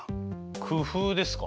工夫ですか？